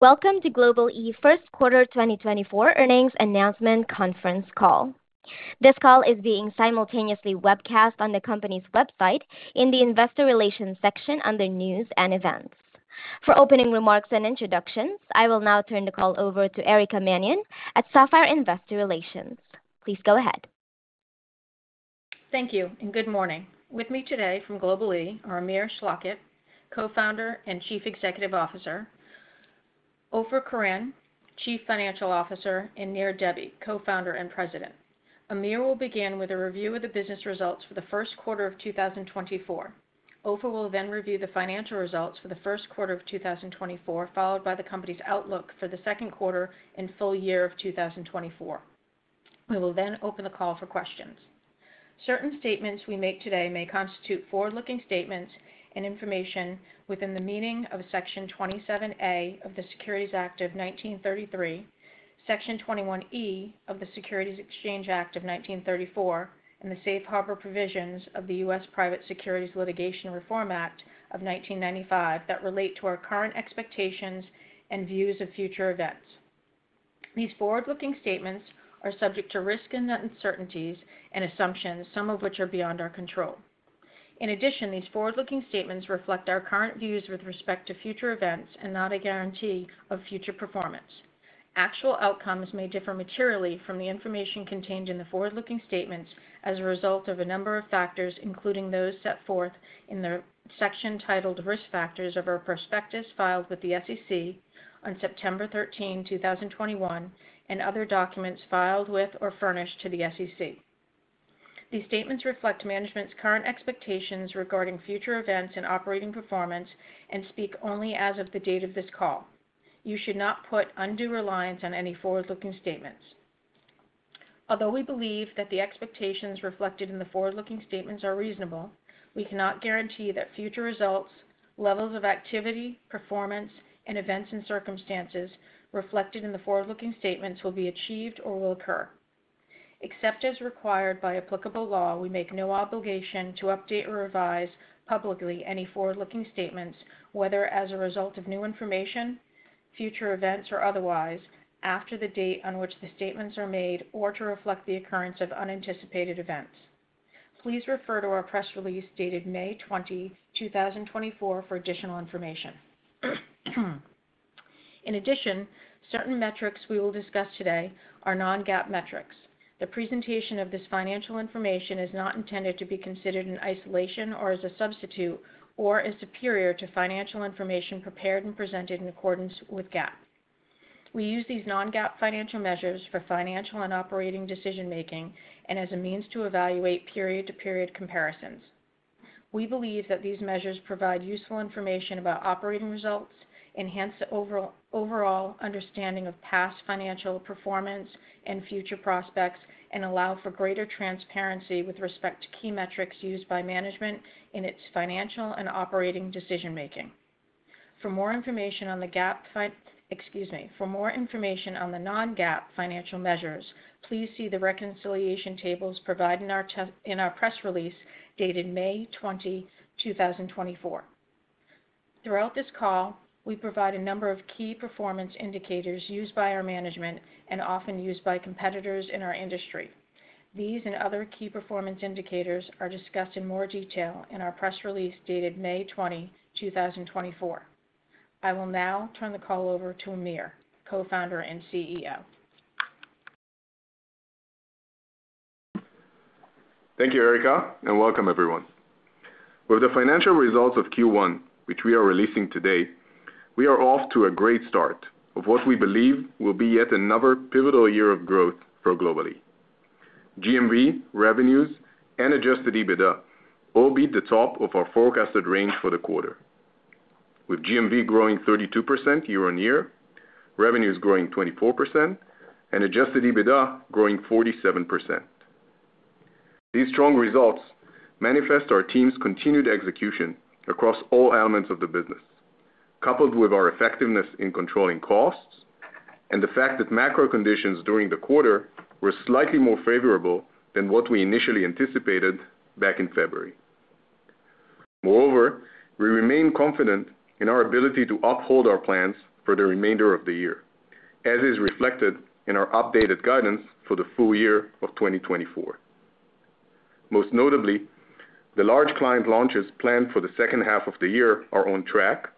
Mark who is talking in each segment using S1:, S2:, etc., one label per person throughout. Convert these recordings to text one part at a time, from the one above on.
S1: Welcome to Global-e first quarter 2024 earnings announcement conference call. This call is being simultaneously webcast on the company's website in the Investor Relations section under News & Events. For opening remarks and introductions, I will now turn the call over to Erica Mannion at Sapphire Investor Relations. Please go ahead.
S2: Thank you, and good morning. With me today from Global-e are Amir Schlachet, Co-founder and Chief Executive Officer, Ofer Koren, Chief Financial Officer, and Nir Debbi, Co-founder and President. Amir will begin with a review of the business results for the first quarter of 2024. Ofer will then review the financial results for the first quarter of 2024, followed by the company's outlook for the second quarter and full year of 2024. We will then open the call for questions. Certain statements we make today may constitute forward-looking statements and information within the meaning of Section 27A of the Securities Act of 1933, Section 21E of the Securities Exchange Act of 1934, and the safe harbor provisions of the U.S. Private Securities Litigation Reform Act of 1995 that relate to our current expectations and views of future events. These forward-looking statements are subject to risk and uncertainties and assumptions, some of which are beyond our control. In addition, these forward-looking statements reflect our current views with respect to future events and not a guarantee of future performance. Actual outcomes may differ materially from the information contained in the forward-looking statements as a result of a number of factors, including those set forth in the section titled Risk Factors of our prospectus filed with the SEC on September 13, 2021, and other documents filed with or furnished to the SEC. These statements reflect management's current expectations regarding future events and operating performance and speak only as of the date of this call. You should not put undue reliance on any forward-looking statements. Although we believe that the expectations reflected in the forward-looking statements are reasonable, we cannot guarantee that future results, levels of activity, performance, and events and circumstances reflected in the forward-looking statements will be achieved or will occur. Except as required by applicable law, we make no obligation to update or revise publicly any forward-looking statements, whether as a result of new information, future events, or otherwise, after the date on which the statements are made or to reflect the occurrence of unanticipated events. Please refer to our press release dated May 20, 2024, for additional information. In addition, certain metrics we will discuss today are non-GAAP metrics. The presentation of this financial information is not intended to be considered in isolation or as a substitute or as superior to financial information prepared and presented in accordance with GAAP. We use these non-GAAP financial measures for financial and operating decision-making and as a means to evaluate period-to-period comparisons. We believe that these measures provide useful information about operating results, enhance the overall understanding of past financial performance and future prospects, and allow for greater transparency with respect to key metrics used by management in its financial and operating decision making. For more information on the GAAP. Excuse me. For more information on the non-GAAP financial measures, please see the reconciliation tables provided in our press release dated May 20, 2024. Throughout this call, we provide a number of key performance indicators used by our management and often used by competitors in our industry. These and other key performance indicators are discussed in more detail in our press release dated May 20, 2024. I will now turn the call over to Amir, Co-founder and CEO.
S3: Thank you, Erica, and welcome everyone. With the financial results of Q1, which we are releasing today, we are off to a great start of what we believe will be yet another pivotal year of growth for Global-e. GMV, revenues, and adjusted EBITDA all beat the top of our forecasted range for the quarter, with GMV growing 32% year-on-year, revenues growing 24%, and adjusted EBITDA growing 47%. These strong results manifest our team's continued execution across all elements of the business, coupled with our effectiveness in controlling costs and the fact that macro conditions during the quarter were slightly more favorable than what we initially anticipated back in February. Moreover, we remain confident in our ability to uphold our plans for the remainder of the year, as is reflected in our updated guidance for the full year of 2024. Most notably, the large client launches planned for the second half of the year are on track,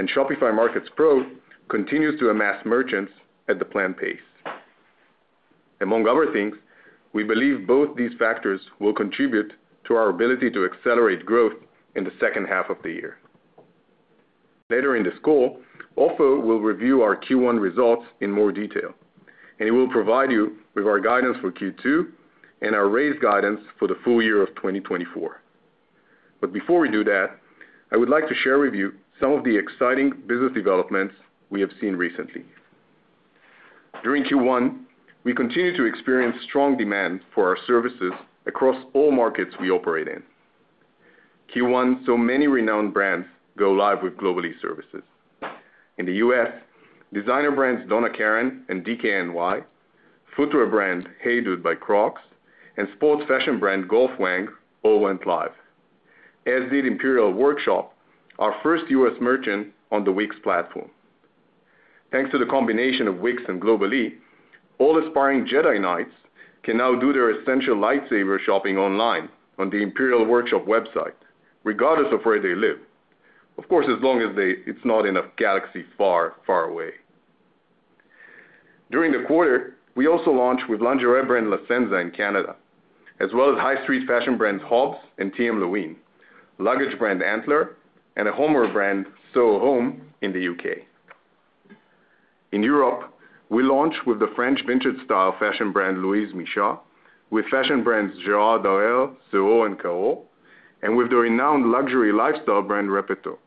S3: and Shopify Markets Pro continues to amass merchants at the planned pace. Among other things, we believe both these factors will contribute to our ability to accelerate growth in the second half of the year. Later in this call, Ofer will review our Q1 results in more detail, and he will provide you with our guidance for Q2 and our raised guidance for the full year of 2024. But before we do that, I would like to share with you some of the exciting business developments we have seen recently. During Q1, we continued to experience strong demand for our services across all markets we operate in. Q1, so many renowned brands go live with Global-e services. In the U.S., designer brands Donna Karan and DKNY, footwear brand HEYDUDE by Crocs, and sports fashion brand Golf Wang all went live, as did Imperial Workshop, our first U.S. merchant on the Wix platform. Thanks to the combination of Wix and Global-e, all aspiring Jedi Knights can now do their essential lightsaber shopping online on the Imperial Workshop website, regardless of where they live. Of course, as long as they- it's not in a galaxy far, far away. During the quarter, we also launched with lingerie brand La Senza in Canada, as well as high street fashion brands Hobbs and T.M. Lewin, luggage brand Antler, and a homeware brand, Soho Home, in the U.K. In Europe, we launched with the French vintage style fashion brand, Louise Misha, with fashion brands Gérard Darel, Soeur, and Caroll, and with the renowned luxury lifestyle brand, Repetto,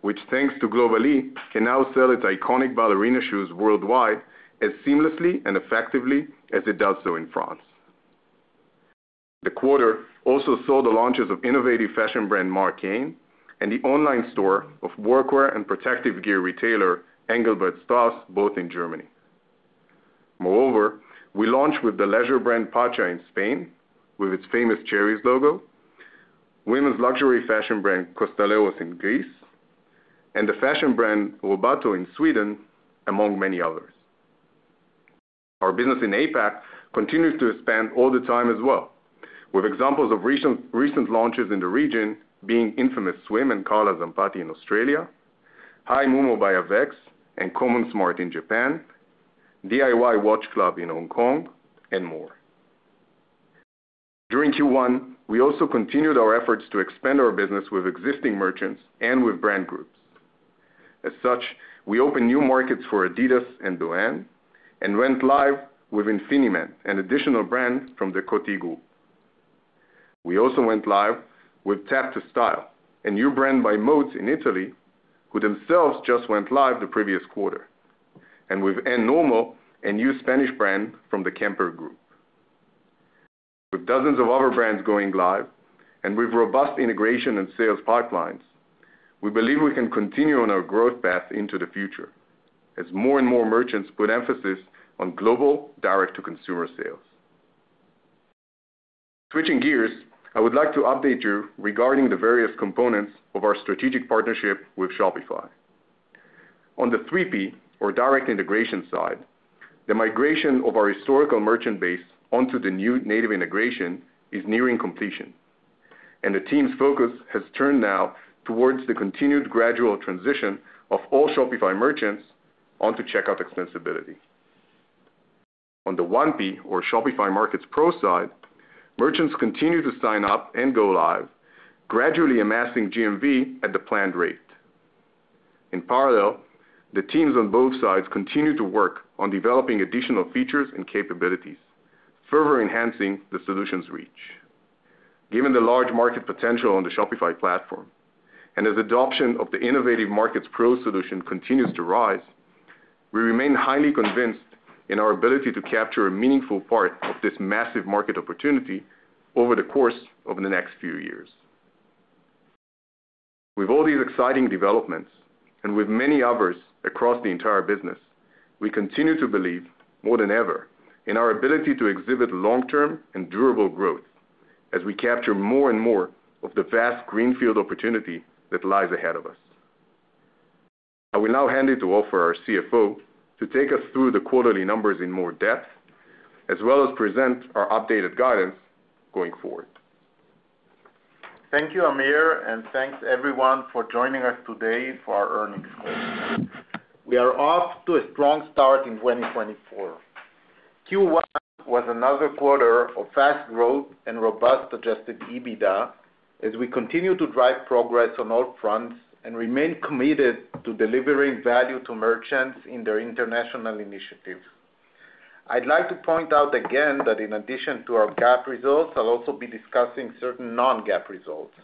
S3: which, thanks to Global-e, can now sell its iconic ballerina shoes worldwide as seamlessly and effectively as it does so in France. The quarter also saw the launches of innovative fashion brand Marc Cain, and the online store of workwear and protective gear retailer, Engelbert Strauss, both in Germany. Moreover, we launched with the leisure brand Pacha in Spain, with its famous cherries logo, women's luxury fashion brand, Costarellos in Greece, and the fashion brand, Rubato in Sweden, among many others. Our business in APAC continues to expand all the time as well, with examples of recent launches in the region being Infamous Swim and Carla Zampatti in Australia, Hi mu-mo by Avex and commmonsmart in Japan, DIY Watch Club in Hong Kong, and more. During Q1, we also continued our efforts to expand our business with existing merchants and with brand groups. As such, we opened new markets for Adidas and DÔEN, and went live with Infiniment, an additional brand from the Coty Group. We also went live with Tap to Style, a new brand by Miroglio in Italy, who themselves just went live the previous quarter, and with NNormal, a new Spanish brand from the Camper Group. With dozens of other brands going live and with robust integration and sales pipelines, we believe we can continue on our growth path into the future as more and more merchants put emphasis on global direct-to-consumer sales. Switching gears, I would like to update you regarding the various components of our strategic partnership with Shopify. On the 3P or direct integration side, the migration of our historical merchant base onto the new native integration is nearing completion, and the team's focus has turned now towards the continued gradual transition of all Shopify merchants onto checkout extensibility. On the 1P, or Shopify Markets Pro side, merchants continue to sign up and go live, gradually amassing GMV at the planned rate. In parallel, the teams on both sides continue to work on developing additional features and capabilities, further enhancing the solution's reach. Given the large market potential on the Shopify platform, and as adoption of the innovative Markets Pro solution continues to rise, we remain highly convinced in our ability to capture a meaningful part of this massive market opportunity over the course of the next few years. With all these exciting developments, and with many others across the entire business, we continue to believe more than ever in our ability to exhibit long-term and durable growth as we capture more and more of the vast greenfield opportunity that lies ahead of us. I will now hand it to Ofer, our CFO, to take us through the quarterly numbers in more depth, as well as present our updated guidance going forward.
S4: Thank you, Amir, and thanks everyone for joining us today for our earnings call. We are off to a strong start in 2024. Q1 was another quarter of fast growth and robust adjusted EBITDA, as we continue to drive progress on all fronts and remain committed to delivering value to merchants in their international initiatives. I'd like to point out again that in addition to our GAAP results, I'll also be discussing certain non-GAAP results.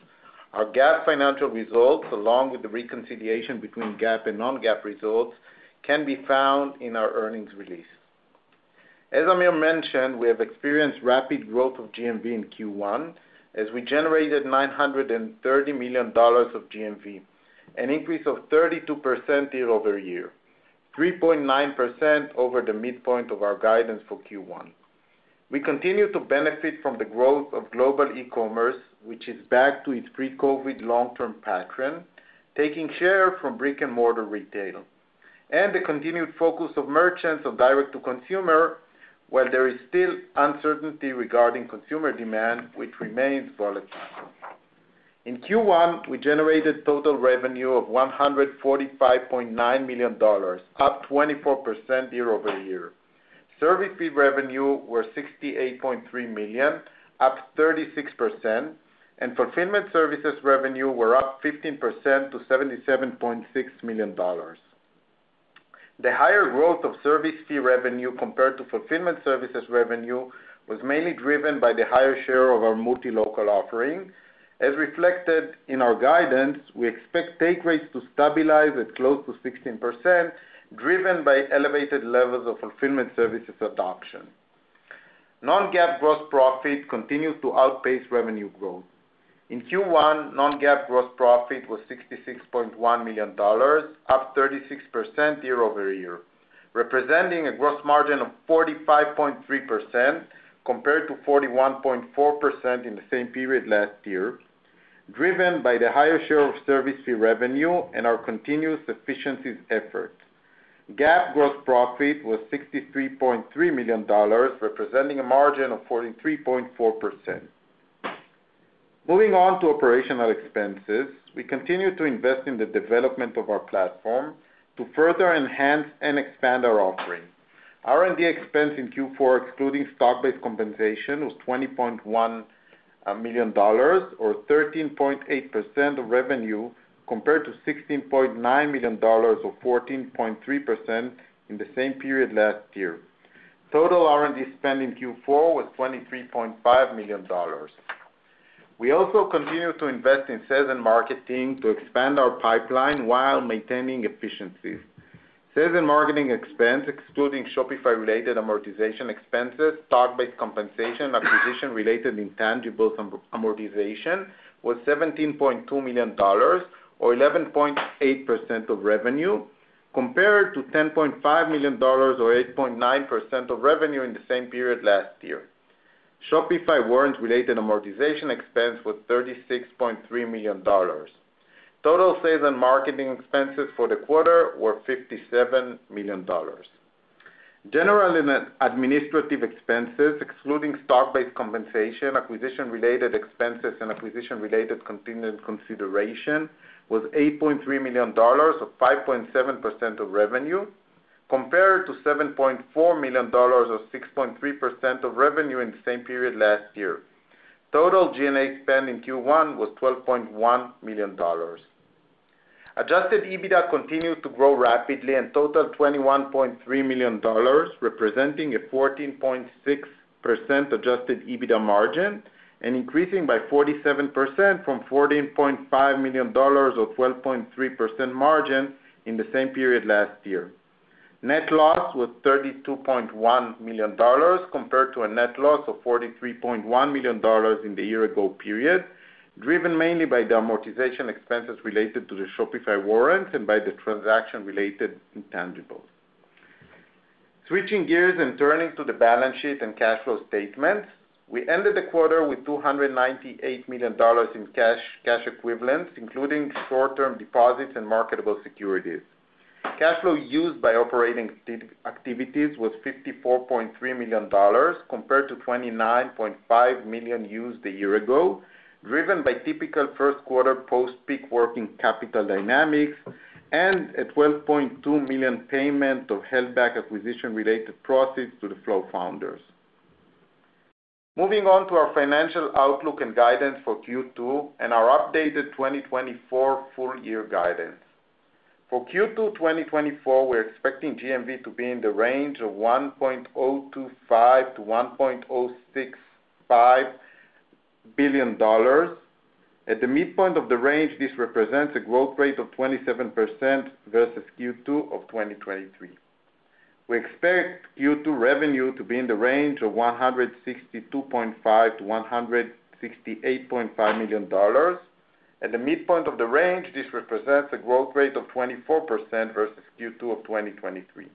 S4: Our GAAP financial results, along with the reconciliation between GAAP and non-GAAP results, can be found in our earnings release. As Amir mentioned, we have experienced rapid growth of GMV in Q1, as we generated $930 million of GMV, an increase of 32% year-over-year, 3.9% over the midpoint of our guidance for Q1. We continue to benefit from the growth of global e-commerce, which is back to its pre-COVID long-term pattern, taking share from brick-and-mortar retail, and the continued focus of merchants of direct-to-consumer, while there is still uncertainty regarding consumer demand, which remains volatile. In Q1, we generated total revenue of $145.9 million, up 24% year-over-year. Service fee revenue were $68.3 million, up 36%, and fulfillment services revenue were up 15% to $77.6 million. The higher growth of service fee revenue compared to fulfillment services revenue was mainly driven by the higher share of our multi-local offering. As reflected in our guidance, we expect take rates to stabilize at close to 16%, driven by elevated levels of fulfillment services adoption. Non-GAAP gross profit continued to outpace revenue growth. In Q1, non-GAAP gross profit was $66.1 million, up 36% year-over-year, representing a gross margin of 45.3%, compared to 41.4% in the same period last year, driven by the higher share of service fee revenue and our continuous efficiencies effort. GAAP gross profit was $63.3 million, representing a margin of 43.4%. Moving on to operational expenses, we continue to invest in the development of our platform to further enhance and expand our offering. R&D expense in Q4, excluding stock-based compensation, was $20.1 million, or 13.8% of revenue, compared to $16.9 million, or 14.3%, in the same period last year. Total R&D spend in Q4 was $23.5 million. We also continue to invest in sales and marketing to expand our pipeline while maintaining efficiencies. Sales and marketing expense, excluding Shopify-related amortization expenses, stock-based compensation, acquisition-related intangibles, and amortization, was $17.2 million, or 11.8% of revenue, compared to $10.5 million, or 8.9% of revenue, in the same period last year. Shopify warrants-related amortization expense was $36.3 million. Total sales and marketing expenses for the quarter were $57 million. General and administrative expenses, excluding stock-based compensation, acquisition-related expenses, and acquisition-related contingent consideration, was $8.3 million, or 5.7% of revenue, compared to $7.4 million, or 6.3% of revenue, in the same period last year. Total G&A spend in Q1 was $12.1 million. Adjusted EBITDA continued to grow rapidly and totaled $21.3 million, representing a 14.6% adjusted EBITDA margin, and increasing by 47% from $14.5 million, or 12.3% margin, in the same period last year. Net loss was $32.1 million, compared to a net loss of $43.1 million in the year-ago period, driven mainly by the amortization expenses related to the Shopify warrants and by the transaction-related intangibles. Switching gears and turning to the balance sheet and cash flow statement, we ended the quarter with $298 million in cash, cash equivalents, including short-term deposits and marketable securities. Cash flow used by operating activities was $54.3 million, compared to $29.5 million used a year ago, driven by typical first quarter post-peak working capital dynamics and a $12.2 million payment of held back acquisition-related proceeds to the Flow founders. Moving on to our financial outlook and guidance for Q2 and our updated 2024 full-year guidance. For Q2, 2024, we're expecting GMV to be in the range of $1.025 billion-$1.065 billion. At the midpoint of the range, this represents a growth rate of 27% versus Q2 of 2023. We expect Q2 revenue to be in the range of $162.5 million-$168.5 million. At the midpoint of the range, this represents a growth rate of 24% versus Q2 of 2023.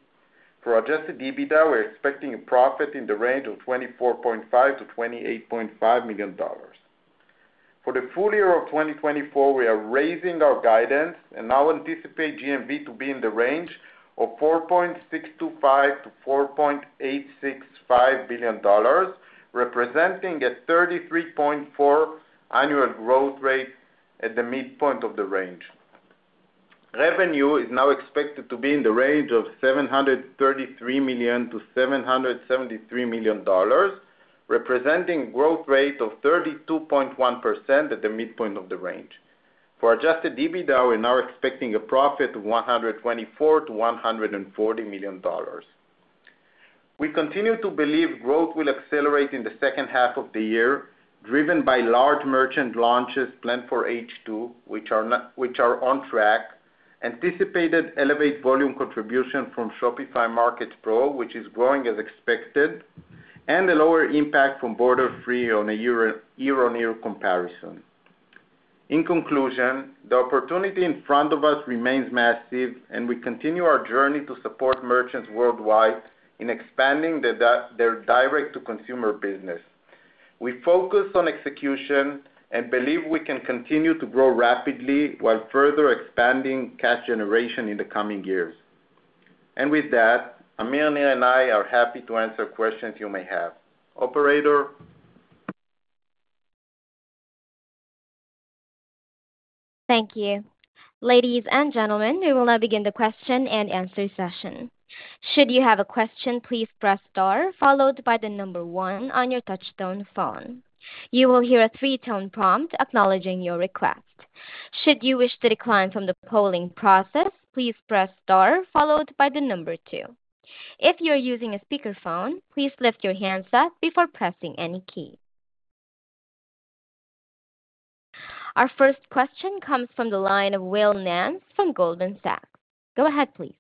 S4: For adjusted EBITDA, we're expecting a profit in the range of $24.5 million-$28.5 million. For the full year of 2024, we are raising our guidance and now anticipate GMV to be in the range of $4.625 billion-$4.865 billion, representing a 33.4% annual growth rate at the midpoint of the range. Revenue is now expected to be in the range of $733 million-$773 million, representing growth rate of 32.1% at the midpoint of the range. For adjusted EBITDA, we're now expecting a profit of $124 million-$140 million. We continue to believe growth will accelerate in the second half of the year, driven by large merchant launches planned for H2, which are on track, anticipated elevate volume contribution from Shopify Markets Pro, which is growing as expected, and a lower impact from Borderfree on a year-over-year comparison. In conclusion, the opportunity in front of us remains massive, and we continue our journey to support merchants worldwide in expanding their direct-to-consumer business. We focus on execution and believe we can continue to grow rapidly while further expanding cash generation in the coming years. And with that, Amir, Nir, and I are happy to answer questions you may have. Operator?
S1: Thank you. Ladies and gentlemen, we will now begin the question-and-answer session. Should you have a question, please press star followed by the number one on your touch-tone phone. You will hear a three-tone prompt acknowledging your request. Should you wish to decline from the polling process, please press star followed by the number two. If you're using a speakerphone, please lift your handset before pressing any key. Our first question comes from the line of Will Nance from Goldman Sachs. Go ahead, please.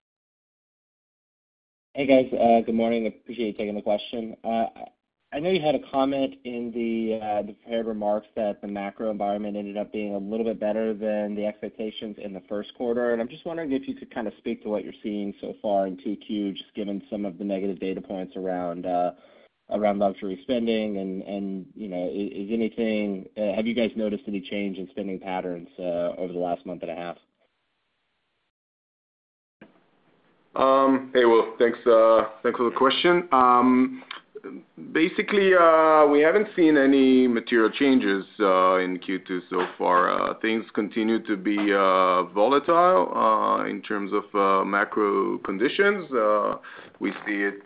S5: Hey, guys, good morning. Appreciate you taking the question. I know you had a comment in the prepared remarks that the macro environment ended up being a little bit better than the expectations in the first quarter, and I'm just wondering if you could kind of speak to what you're seeing so far in Q2, just given some of the negative data points around luxury spending. And, you know, have you guys noticed any change in spending patterns over the last month and a half?
S4: Hey, Will, thanks, thanks for the question. Basically, we haven't seen any material changes in Q2 so far. Things continue to be volatile in terms of macro conditions. We see it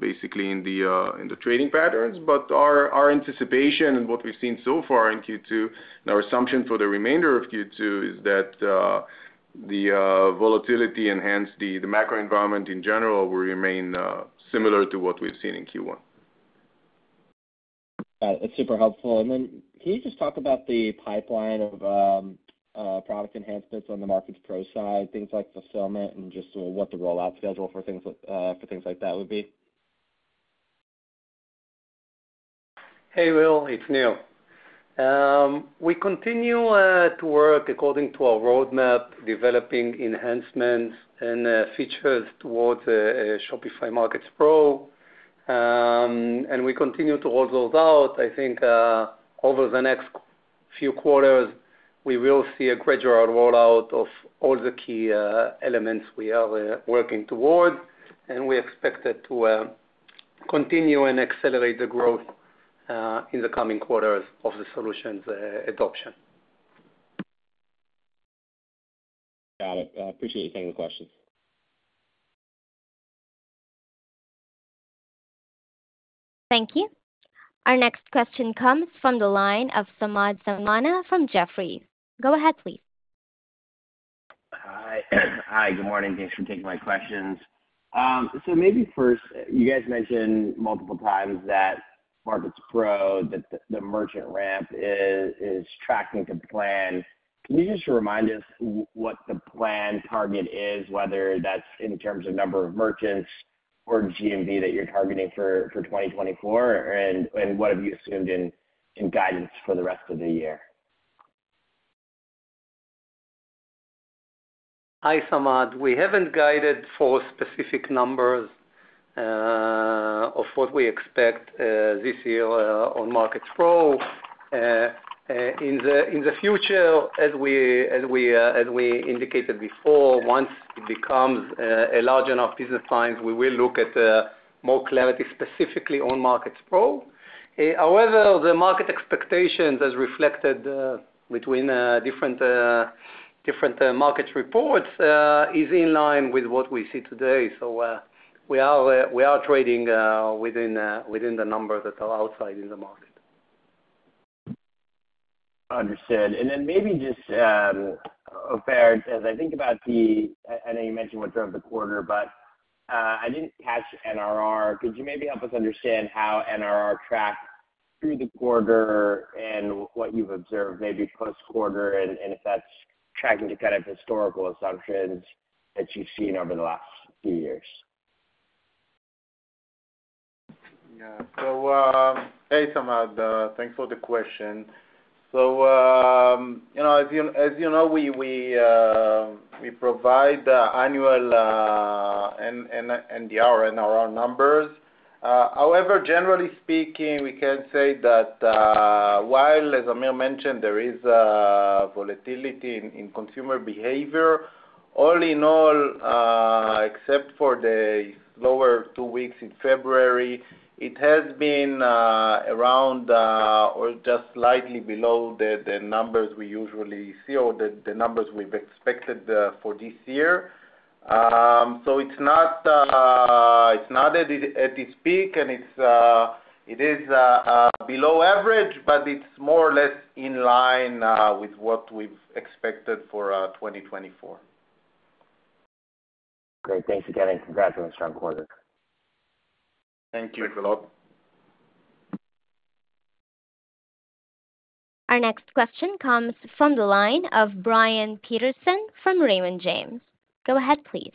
S4: basically in the trading patterns. But our anticipation and what we've seen so far in Q2 and our assumption for the remainder of Q2 is that the volatility enhance the macro environment in general will remain similar to what we've seen in Q1.
S5: Got it. It's super helpful. And then can you just talk about the pipeline of product enhancements on the Markets Pro side, things like fulfillment and just what the rollout schedule for things like that would be?
S6: Hey, Will, it's Nir. We continue to work according to our roadmap, developing enhancements and features towards Shopify Markets Pro. We continue to roll those out. I think over the next few quarters, we will see a gradual rollout of all the key elements we are working towards, and we expect it to continue and accelerate the growth in the coming quarters of the solutions adoption.
S5: Got it. Appreciate it. Thank you for the question.
S1: Thank you. Our next question comes from the line of Samad Samana from Jefferies. Go ahead, please.
S7: Hi. Hi, good morning. Thanks for taking my questions. So maybe first, you guys mentioned multiple times that Markets Pro, the merchant ramp is tracking to plan. Can you just remind us what the plan target is, whether that's in terms of number of merchants or GMV that you're targeting for 2024? And what have you assumed in guidance for the rest of the year?
S6: Hi, Samad. We haven't guided for specific numbers of what we expect this year on Markets Pro. In the future, as we indicated before, once it becomes a large enough business size, we will look at more clarity, specifically on Markets Pro. However, the market expectations as reflected between different markets reports is in line with what we see today. So, we are trading within the numbers that are outside in the market.
S7: Understood. And then maybe just, Ofer, as I think about the—I, I know you mentioned what drove the quarter, but, I didn't catch NRR. Could you maybe help us understand how NRR tracked through the quarter and what you've observed maybe post-quarter, and, and if that's tracking to kind of historical assumptions that you've seen over the last few years?
S4: Yeah. So, hey, Samad, thanks for the question. So, you know, as you know, we provide annual and the NRR numbers. However, generally speaking, we can say that, while, as Amir mentioned, there is a volatility in consumer behavior, all in all, except for the lower two weeks in February, it has been around or just slightly below the numbers we usually see or the numbers we've expected for this year. So, it's not at its peak and it is below average, but it's more or less in line with what we've expected for 2024.
S7: Great. Thanks again, and congratulations on the quarter.
S6: Thank you.
S4: Thanks a lot.
S1: Our next question comes from the line of Brian Peterson from Raymond James. Go ahead, please.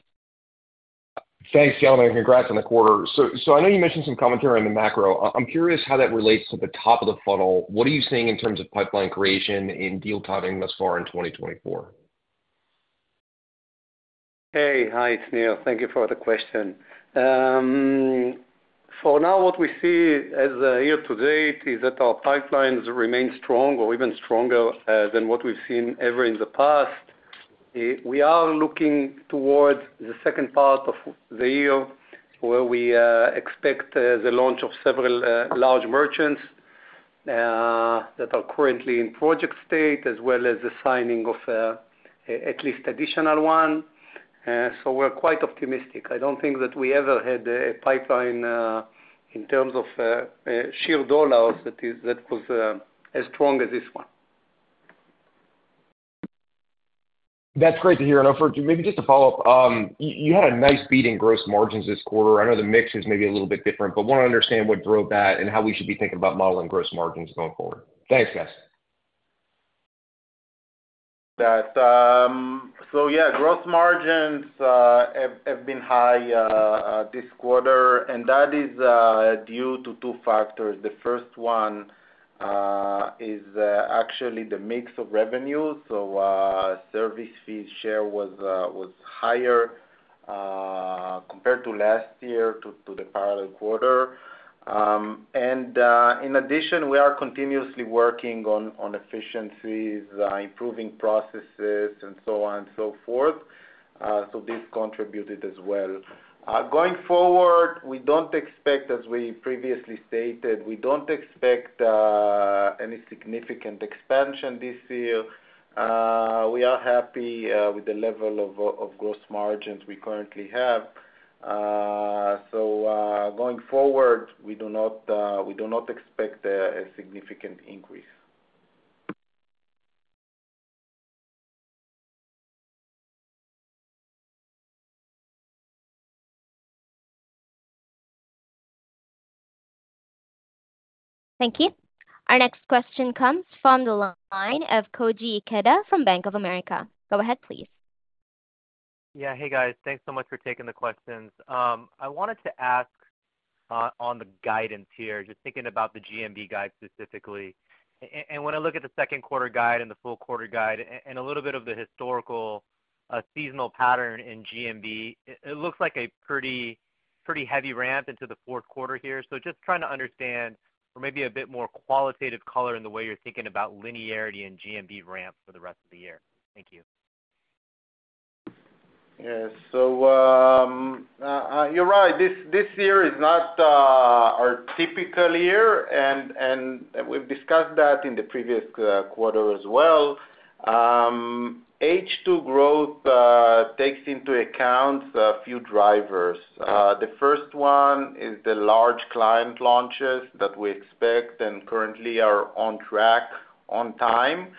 S8: Thanks, gentlemen. Congrats on the quarter. So, I know you mentioned some commentary on the macro. I'm curious how that relates to the top of the funnel. What are you seeing in terms of pipeline creation in deal timing thus far in 2024?
S6: Hey. Hi, it's Nir. Thank you for the question. For now, what we see as year-to-date is that our pipelines remain strong or even stronger than what we've seen ever in the past. We are looking towards the second part of the year, where we expect the launch of several large merchants that are currently in project state, as well as the signing of at least additional one. So we're quite optimistic. I don't think that we ever had a pipeline in terms of sheer dollars, that is, that was as strong as this one.
S8: That's great to hear. And Ofer, maybe just to follow up, you had a nice beat in gross margins this quarter. I know the mix is maybe a little bit different, but I wanna understand what drove that and how we should be thinking about modeling gross margins going forward. Thanks, guys.
S4: That, so yeah, gross margins have been high this quarter, and that is due to two factors. The first one is actually the mix of revenues. So, service fee share was higher compared to last year, to the prior quarter. And in addition, we are continuously working on efficiencies, improving processes, and so on and so forth. So this contributed as well. Going forward, we don't expect, as we previously stated, we don't expect any significant expansion this year. We are happy with the level of gross margins we currently have. So, going forward, we do not expect a significant increase.
S1: Thank you. Our next question comes from the line of Koji Ikeda from Bank of America. Go ahead, please.
S9: Yeah. Hey, guys. Thanks so much for taking the questions. I wanted to ask on the guidance here, just thinking about the GMV guide specifically. And when I look at the second quarter guide and the full-quarter guide, and a little bit of the historical seasonal pattern in GMV, it looks like a pretty, pretty heavy ramp into the fourth quarter here. So just trying to understand or maybe a bit more qualitative color in the way you're thinking about linearity and GMV ramp for the rest of the year. Thank you.
S4: Yes. So, you're right, this year is not our typical year, and we've discussed that in the previous quarter as well. H2 growth takes into account a few drivers. The first one is the large client launches that we expect and currently are on track, on time.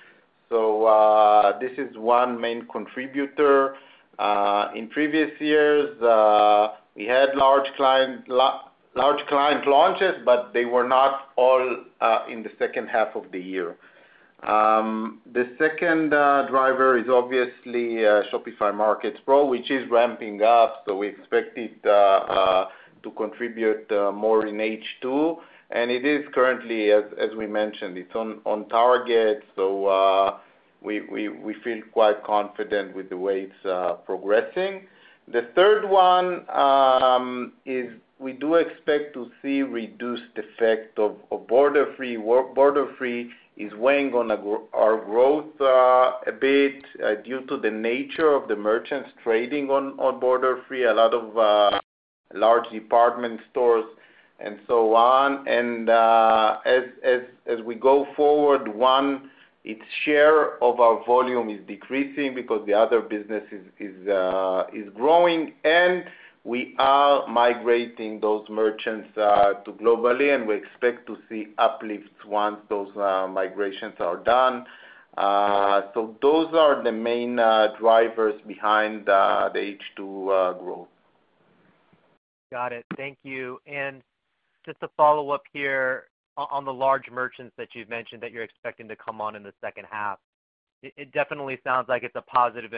S4: So, this is one main contributor. In previous years, we had large client launches, but they were not all in the second half of the year. The second driver is obviously Shopify Markets Pro, which is ramping up, so we expect it to contribute more in H2. It is currently, as we mentioned, on target, so we feel quite confident with the way it's progressing. The third one is we do expect to see reduced effect of Borderfree. Well, Borderfree is weighing on our growth a bit due to the nature of the merchants trading on Borderfree, a lot of large department stores and so on. And as we go forward, one, its share of our volume is decreasing because the other business is growing, and we are migrating those merchants to Global-e, and we expect to see uplifts once those migrations are done. So those are the main drivers behind the H2 growth.
S9: Got it. Thank you. Just to follow up here on the large merchants that you've mentioned that you're expecting to come on in the second half, it definitely sounds like it's a positive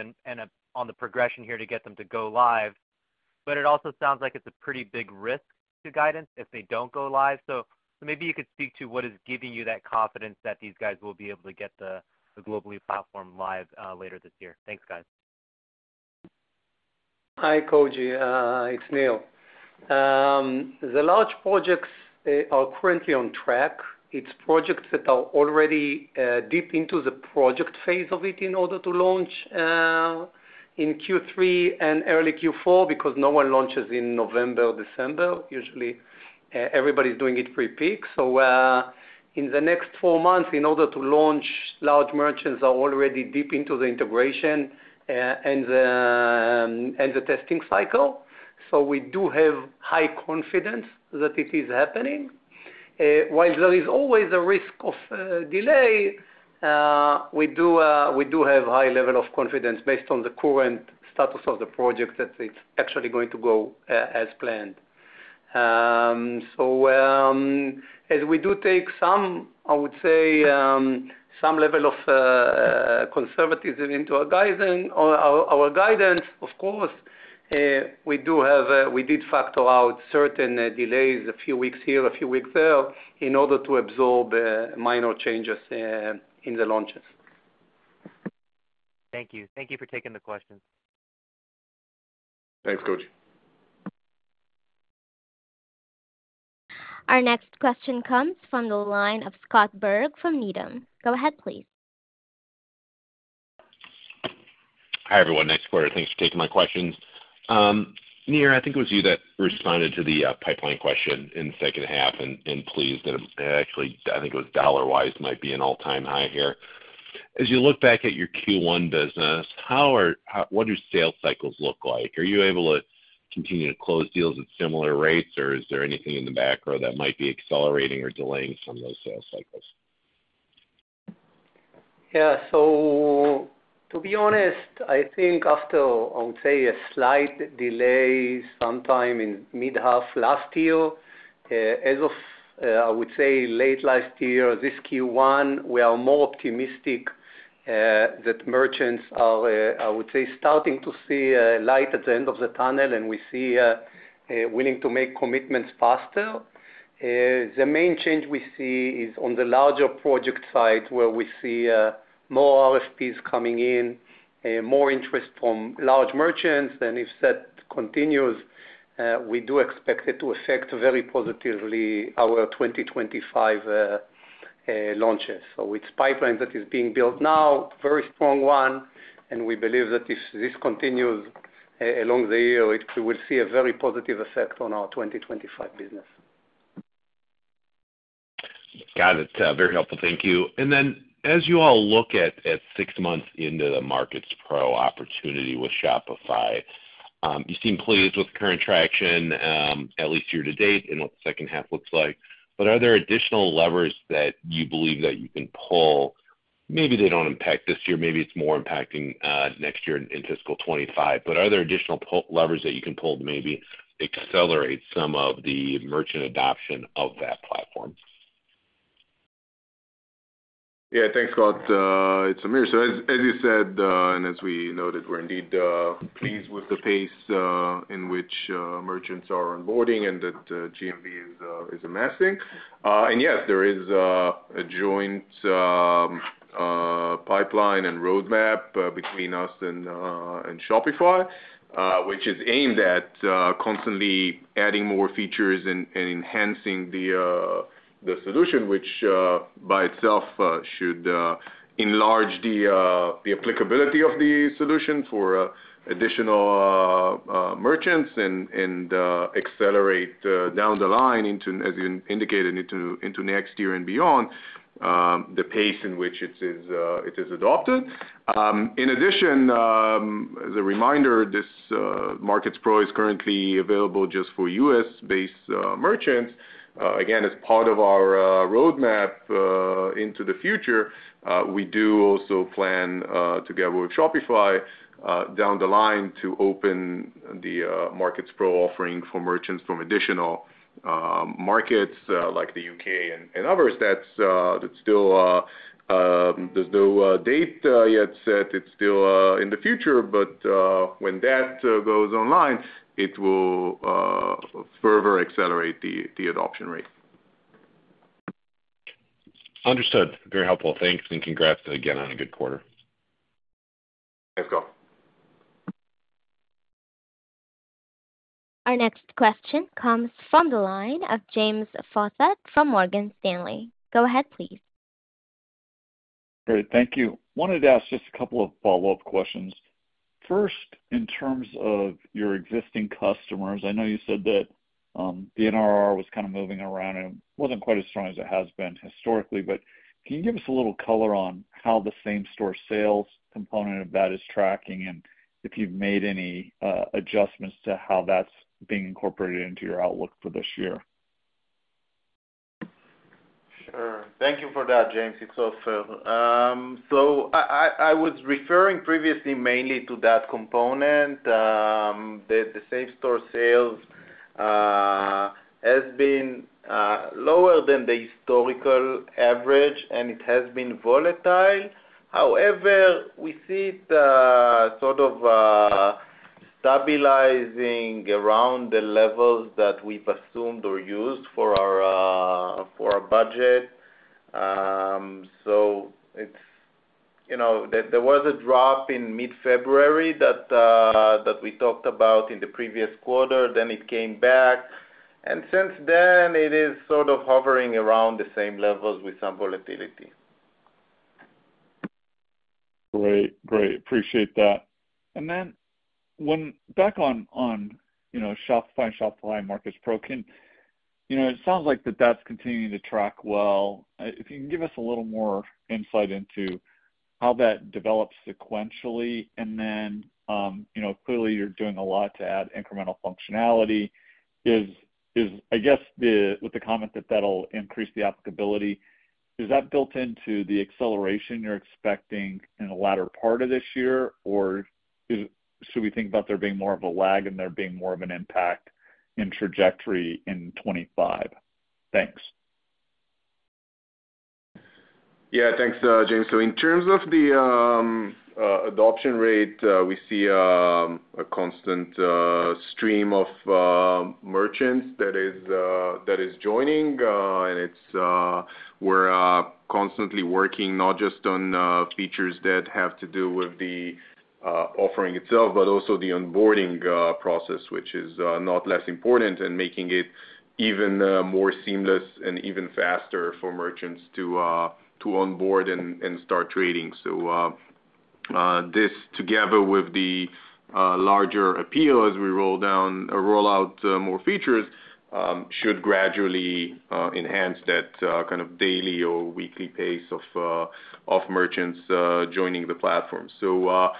S9: on the progression here to get them to go live, but it also sounds like it's a pretty big risk to guidance if they don't go live. So maybe you could speak to what is giving you that confidence that these guys will be able to get the Global-e platform live later this year. Thanks, guys.
S6: Hi, Koji. It's Nir. The large projects are currently on track. It's projects that are already deep into the project phase of it in order to launch in Q3 and early Q4, because no one launches in November or December. Usually everybody's doing it pre-peak. So in the next four months, in order to launch, large merchants are already deep into the integration and the testing cycle. So we do have high confidence that it is happening. While there is always a risk of delay, we do have high level of confidence based on the current status of the project that it's actually going to go as planned. So, as we do take some, I would say, some level of conservatism into our guiding or our guidance, of course, we do have, we did factor out certain delays, a few weeks here, a few weeks there, in order to absorb minor changes in the launches.
S9: Thank you. Thank you for taking the question.
S3: Thanks, Koji.
S1: Our next question comes from the line of Scott Berg from Needham. Go ahead, please.
S10: Hi, everyone. Thanks for taking my questions. Nir, I think it was you that responded to the pipeline question in the second half, and pleased that it actually, I think it was dollar-wise, might be an all-time high here. As you look back at your Q1 business, what do sales cycles look like? Are you able to continue to close deals at similar rates, or is there anything in the background that might be accelerating or delaying some of those sales cycles?
S6: Yeah, so to be honest, I think after, I would say, a slight delay sometime in mid-half last year, as of, I would say late last year, this Q1, we are more optimistic, that merchants are, I would say, starting to see a light at the end of the tunnel, and we see willing to make commitments faster. The main change we see is on the larger project side, where we see more RFPs coming in, more interest from large merchants. And if that continues, we do expect it to affect very positively our 2025 launches. So it's pipeline that is being built now, very strong one, and we believe that if this continues, along the year, we will see a very positive effect on our 2025 business.
S10: Got it, very helpful. Thank you. And then, as you all look at six months into the Shopify Markets Pro opportunity with Shopify, you seem pleased with the current traction, at least year-to-date and what the second half looks like. But are there additional levers that you believe that you can pull? Maybe they don't impact this year, maybe it's more impacting next year in fiscal 2025. But are there additional levers that you can pull to maybe accelerate some of the merchant adoption of that platform?
S3: Yeah, thanks, Scott. It's Amir. So as you said, and as we noted, we're indeed pleased with the pace in which merchants are onboarding and that GMV is amassing. And yes, there is a joint pipeline and roadmap between us and Shopify, which is aimed at constantly adding more features and enhancing the solution. Which by itself should enlarge the applicability of the solution for additional merchants and accelerate down the line into, as you indicated, next year and beyond, the pace in which it is adopted. In addition, as a reminder, this Markets Pro is currently available just for U.S.-based merchants. Again, as part of our roadmap into the future, we do also plan, together with Shopify, down the line, to open the Markets Pro offering for merchants from additional markets, like the U.K. and others. That's still. There's no date yet set. It's still in the future, but when that goes online, it will further accelerate the adoption rate.
S10: Understood. Very helpful. Thanks, and congrats again on a good quarter.
S3: Thanks, Scott.
S1: Our next question comes from the line of James Faucette from Morgan Stanley. Go ahead, please.
S11: Great. Thank you. Wanted to ask just a couple of follow-up questions. First, in terms of your existing customers, I know you said that, the NRR was kind of moving around and wasn't quite as strong as it has been historically, but can you give us a little color on how the same-store sales component of that is tracking, and if you've made any, adjustments to how that's being incorporated into your outlook for this year?
S4: Sure. Thank you for that, James. It's Ofer. So I was referring previously mainly to that component, that the same-store sales has been lower than the historical average, and it has been volatile. However, we see it sort of stabilizing around the levels that we've assumed or used for our budget. So it's, you know—There was a drop in mid-February that we talked about in the previous quarter, then it came back, and since then, it is sort of hovering around the same levels with some volatility.
S11: Great. Great, appreciate that. Back on, you know, Shopify, Shopify Markets Pro. You know, it sounds like that's continuing to track well. If you can give us a little more insight into how that develops sequentially, and then, you know, clearly you're doing a lot to add incremental functionality. I guess with the comment that that'll increase the applicability, is that built into the acceleration you're expecting in the latter part of this year? Or should we think about there being more of a lag and there being more of an impact in trajectory in 2025? Thanks.
S3: Yeah, thanks, James. So in terms of the adoption rate, we see a constant stream of merchants that is joining, and it's we're constantly working not just on features that have to do with the offering itself, but also the onboarding process, which is not less important, and making it even more seamless and even faster for merchants to onboard and start trading. So, this, together with the larger appeal as we roll down or roll out more features, should gradually enhance that kind of daily or weekly pace of merchants joining the platform. So,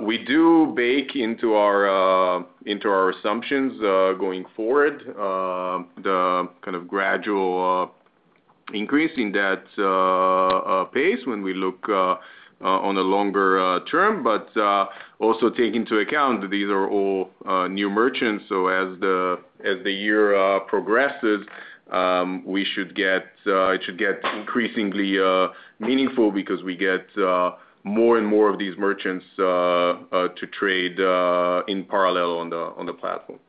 S3: we do bake into our into our assumptions going forward the kind of gradual—Increasing that pace when we look on the longer term, but also take into account that these are all new merchants. So as the year progresses, we should get it should get increasingly meaningful because we get more and more of these merchants to trade in parallel on the platform.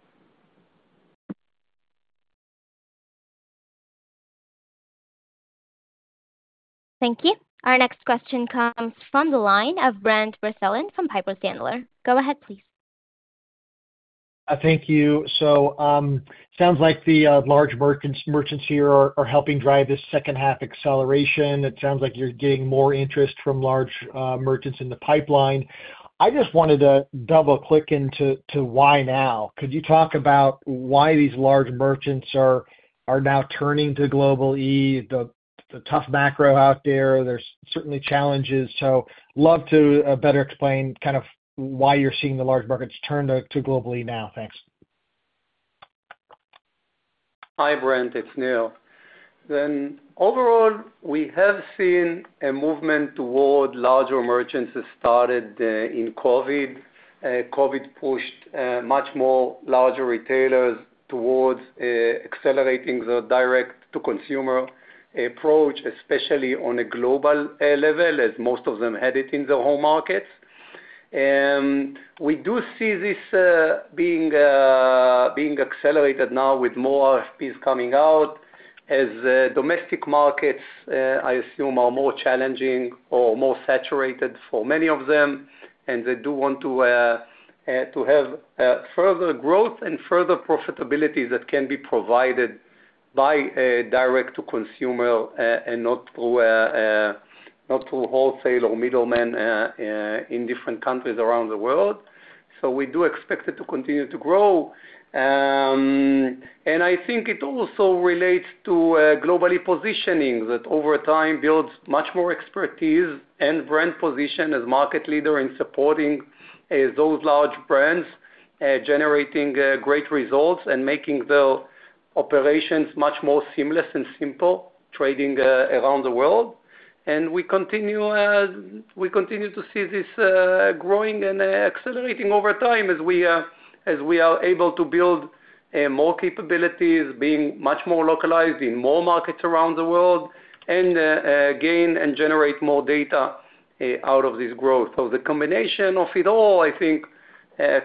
S1: Thank you. Our next question comes from the line of Brent Bracelin from Piper Sandler. Go ahead, please.
S12: Thank you. So, sounds like the large merchants here are helping drive this second half acceleration. It sounds like you're getting more interest from large merchants in the pipeline. I just wanted to double-click into why now? Could you talk about why these large merchants are now turning to Global-e, the tough macro out there? There's certainly challenges, so love to better explain kind of why you're seeing the large merchants turn to Global-e now. Thanks.
S6: Hi, Brent. It's Nir. Overall, we have seen a movement toward larger merchants that started in COVID. COVID pushed much more larger retailers towards accelerating the direct-to-consumer approach, especially on a global level, as most of them had it in their home markets. And we do see this being accelerated now with more RFPs coming out, as the domestic markets, I assume, are more challenging or more saturated for many of them, and they do want to have further growth and further profitability that can be provided by a direct to consumer and not through wholesale or middlemen in different countries around the world. So we do expect it to continue to grow. And I think it also relates to Global-e positioning, that over time builds much more expertise and brand position as market leader in supporting those large brands, generating great results and making the operations much more seamless and simple, trading around the world. And we continue, we continue to see this growing and accelerating over time as we, as we are able to build more capabilities, being much more localized in more markets around the world, and gain and generate more data out of this growth. So the combination of it all, I think,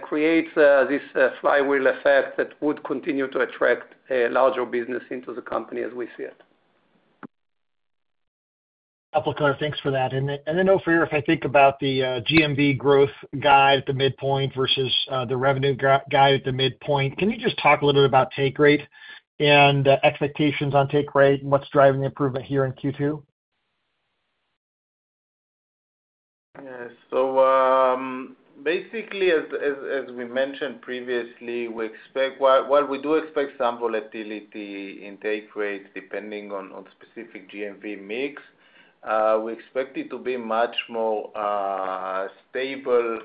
S6: creates this flywheel effect that would continue to attract a larger business into the company as we see it.
S12: Couple clear. Thanks for that. And then, and then Ofer, if I think about the GMV growth guide at the midpoint versus the revenue guide at the midpoint, can you just talk a little bit about take rate and expectations on take rate and what's driving the improvement here in Q2?
S4: Yes. So, basically as we mentioned previously, we expect—while we do expect some volatility in take rate depending on specific GMV mix, we expect it to be much more stable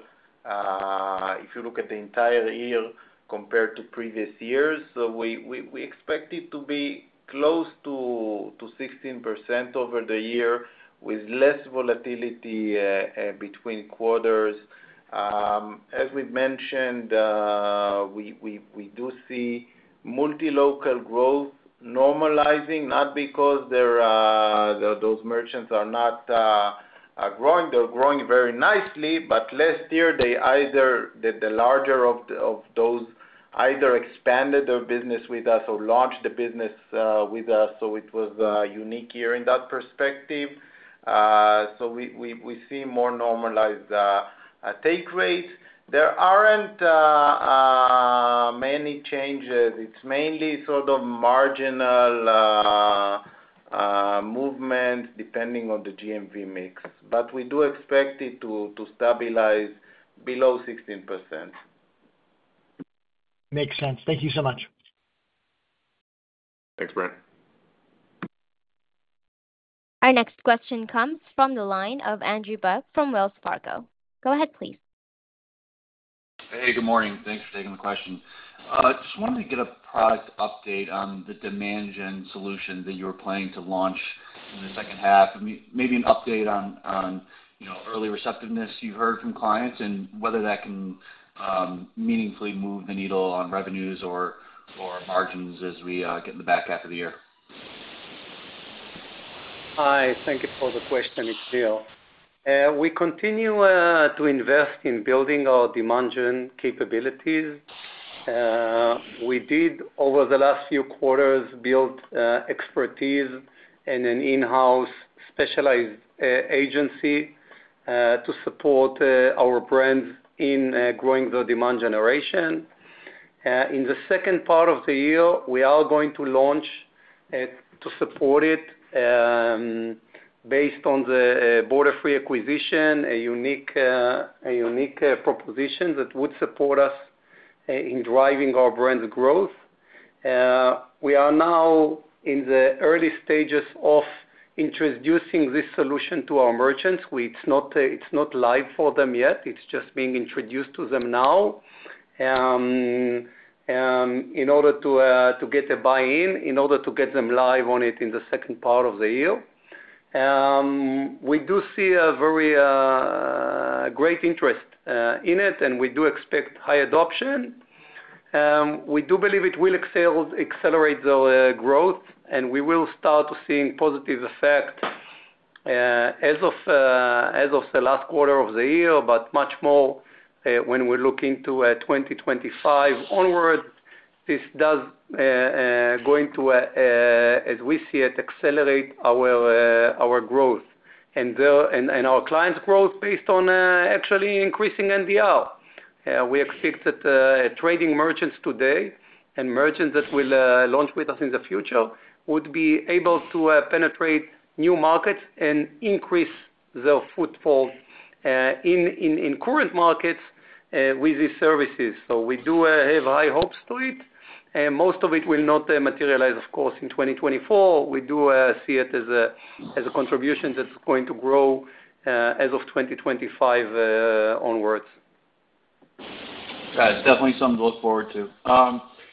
S4: if you look at the entire year compared to previous years. So we expect it to be close to 16% over the year, with less volatility between quarters. As we've mentioned, we do see multi-local growth normalizing, not because those merchants are not growing. They're growing very nicely, but last year, the larger of those either expanded their business with us or launched the business with us, so it was a unique year in that perspective. So we see more normalized take rates. There aren't many changes. It's mainly sort of marginal movements depending on the GMV mix, but we do expect it to stabilize below 16%.
S12: Makes sense. Thank you so much.
S4: Thanks, Brent.
S1: Our next question comes from the line of Andrew Bauch from Wells Fargo. Go ahead, please.
S13: Hey, good morning. Thanks for taking the question. Just wanted to get a product update on the demand gen solution that you were planning to launch in the second half. Maybe an update on, you know, early receptiveness you've heard from clients, and whether that can meaningfully move the needle on revenues or margins as we get in the back half of the year.
S6: Hi, thank you for the question. It's Nir. We continue to invest in building our demand gen capabilities. We did, over the last few quarters, build expertise and an in-house specialized agency to support our brands in growing the demand generation. In the second part of the year, we are going to launch to support it, based on the Borderfree acquisition, a unique proposition that would support us in driving our brands' growth. We are now in the early stages of introducing this solution to our merchants. It's not live for them yet. It's just being introduced to them now, in order to get a buy-in, in order to get them live on it in the second part of the year. We do see a very great interest in it, and we do expect high adoption. We do believe it will accelerate the growth, and we will start to see positive effect as of the last quarter of the year, but much more when we look into 2025 onwards. This is going to, as we see it, accelerate our growth and our clients' growth based on actually increasing NRR. We expect that trading merchants today and merchants that will launch with us in the future would be able to penetrate new markets and increase their footfall in current markets with these services. So we do have high hopes to it, and most of it will not materialize, of course, in 2024. We do see it as a contribution that's going to grow as of 2025 onwards.
S13: That's definitely something to look forward to.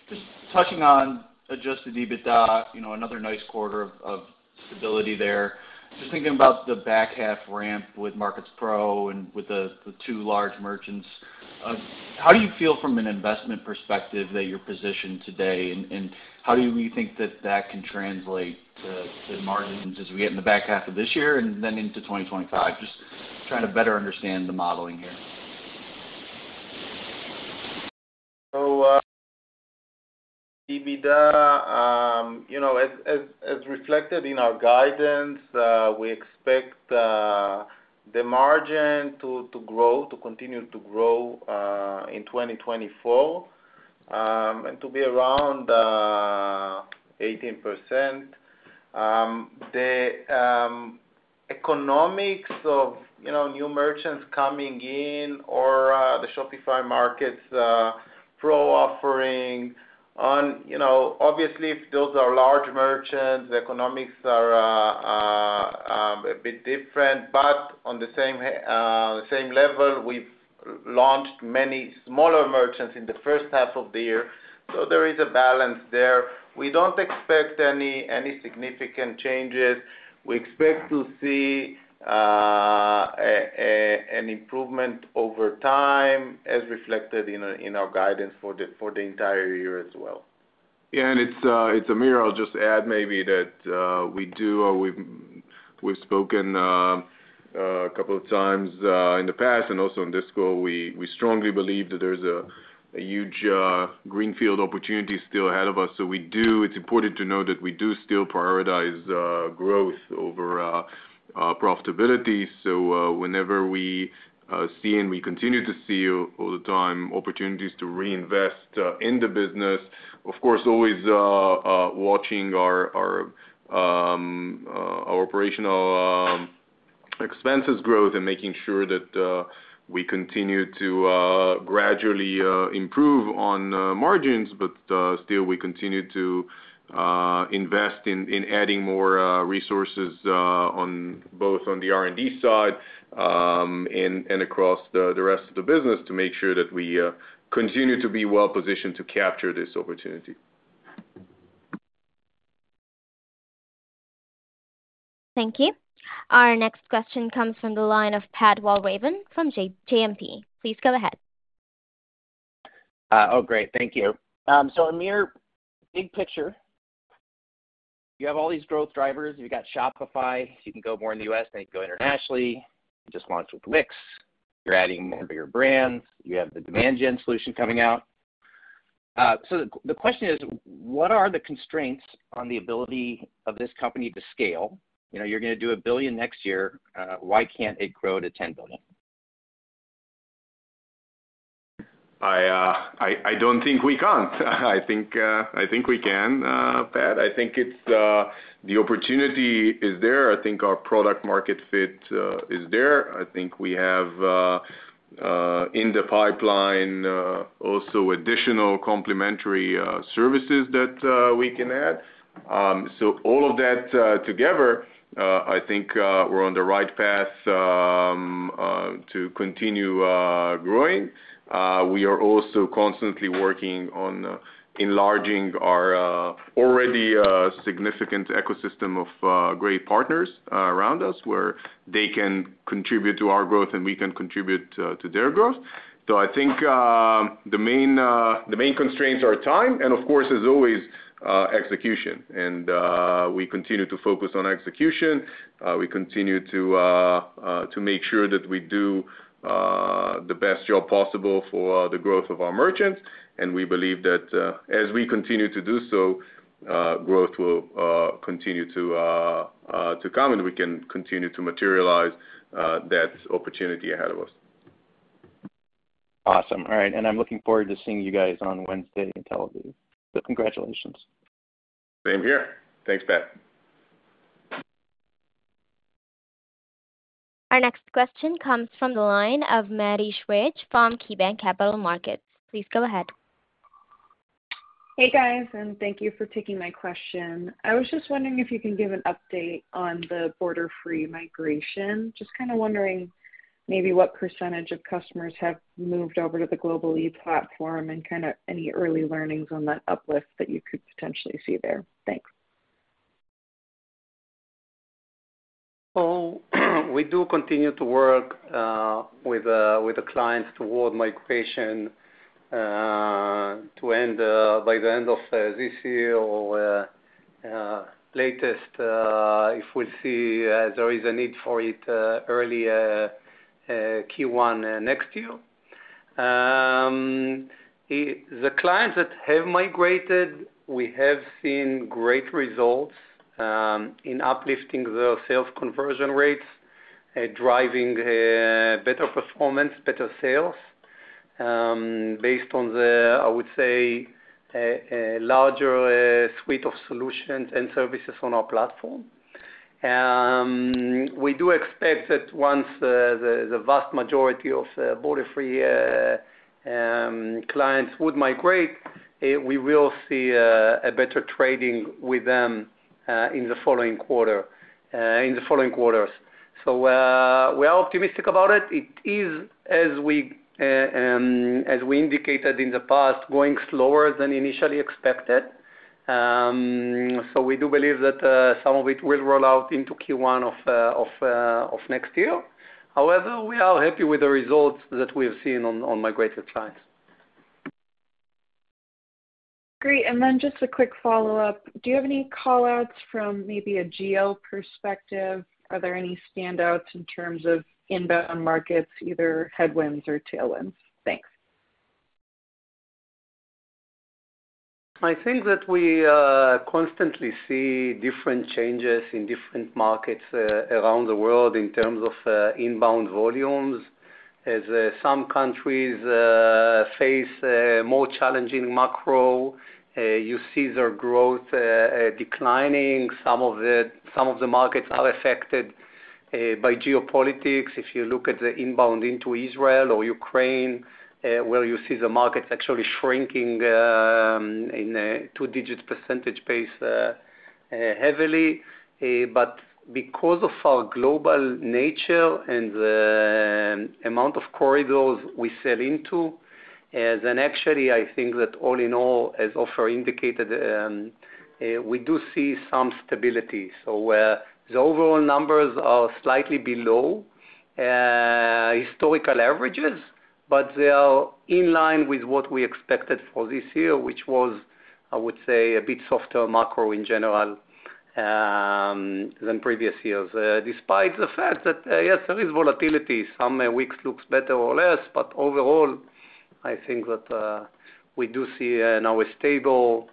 S13: Just touching on adjusted EBITDA, you know, another nice quarter of stability there. Just thinking about the back half ramp with Markets Pro and with the two large merchants, how do you feel from an investment perspective that you're positioned today, and how do you think that can translate to margins as we get in the back half of this year and then into 2025? Just trying to better understand the modeling here.
S4: So, EBITDA, you know, as reflected in our guidance, we expect the margin to grow, to continue to grow in 2024, and to be around 18%. The economics of, you know, new merchants coming in or the Shopify Markets Pro offering on, you know, obviously, if those are large merchants, the economics are a bit different. But on the same level, we've launched many smaller merchants in the first half of the year, so there is a balance there. We don't expect any significant changes. We expect to see an improvement over time, as reflected in our guidance for the entire year as well.
S3: Yeah, and it's Amir. I'll just add maybe that we've spoken a couple of times in the past and also on this call. We strongly believe that there's a huge greenfield opportunity still ahead of us. It's important to know that we do still prioritize growth over profitability. Whenever we see and we continue to see all the time opportunities to reinvest in the business, of course always watching our operational expenses growth and making sure that we continue to gradually improve on margins. But still we continue to invest in adding more resources on both the R&D side and across the rest of the business to make sure that we continue to be well positioned to capture this opportunity.
S1: Thank you. Our next question comes from the line of Pat Walravens from JMP. Please go ahead.
S14: Oh, great. Thank you. So Amir, big picture, you have all these growth drivers. You've got Shopify. You can go more in the U.S., then you go internationally. You just launched with Wix. You're adding more and bigger brands. You have the demand gen solution coming out. So the question is: What are the constraints on the ability of this company to scale? You know, you're going to do $1 billion next year. Why can't it grow to $10 billion?
S3: I don't think we can't. I think we can, Pat. I think it's the opportunity is there. I think our product market fit is there. I think we have in the pipeline also additional complementary services that we can add. So all of that together, I think, we're on the right path to continue growing. We are also constantly working on enlarging our already significant ecosystem of great partners around us, where they can contribute to our growth, and we can contribute to their growth. So I think the main constraints are time and, of course, as always, execution. We continue to focus on execution. We continue to make sure that we do the best job possible for the growth of our merchants, and we believe that as we continue to do so, growth will continue to come, and we can continue to materialize that opportunity ahead of us.
S14: Awesome. All right, and I'm looking forward to seeing you guys on Wednesday in Tel Aviv. So congratulations.
S3: Same here. Thanks, Pat.
S1: Our next question comes from the line of Maddie Schrage from KeyBanc Capital Markets. Please go ahead.
S15: Hey, guys, and thank you for taking my question. I was just wondering if you can give an update on the Borderfree migration. Just kinda wondering maybe what percentage of customers have moved over to the Global-e platform, and kinda any early learnings on that uplift that you could potentially see there? Thanks.
S6: So we do continue to work with the clients toward migration to end by the end of this year or latest if we see there is a need for it early Q1 next year. The clients that have migrated, we have seen great results in uplifting the sales conversion rates driving better performance, better sales based on the, I would say, a larger suite of solutions and services on our platform. We do expect that once the vast majority of Borderfree clients would migrate, we will see a better trading with them in the following quarter in the following quarters. So we are optimistic about it. It is, as we indicated in the past, going slower than initially expected. So we do believe that some of it will roll out into Q1 of next year. However, we are happy with the results that we have seen on migrated clients.
S15: Great. And then just a quick follow-up: Do you have any call-outs from maybe a geo perspective? Are there any standouts in terms of inbound markets, either headwinds or tailwinds? Thanks.
S6: I think that we constantly see different changes in different markets around the world in terms of inbound volumes. As some countries face more challenging macro, you see their growth declining. Some of the markets are affected by geopolitics. If you look at the inbound into Israel or Ukraine, where you see the markets actually shrinking in a two-digit percentage pace heavily. But because of our global nature and the amount of corridors we sell into, then actually, I think that all in all, as Ofer indicated, we do see some stability. So where the overall numbers are slightly below historical averages, but they are in line with what we expected for this year, which was, I would say, a bit softer macro in general than previous years. Despite the fact that yes, there is volatility, some weeks looks better or less, but overall, I think that we do see now a stable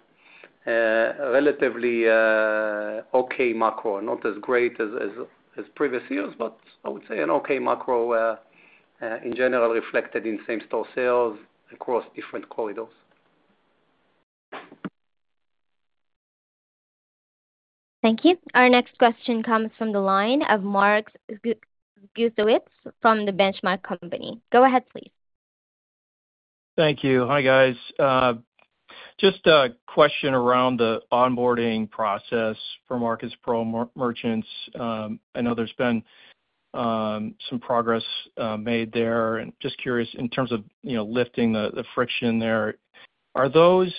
S6: relatively okay macro. Not as great as previous years, but I would say an okay macro in general, reflected in same store sales across different corridors.
S1: Thank you. Our next question comes from the line of Mark Zgutowicz from The Benchmark Company. Go ahead, please.
S16: Thank you. Hi, guys. Just a question around the onboarding process for MarketsPro merchants. I know there's been some progress made there, and just curious, in terms of, you know, lifting the the friction there, are those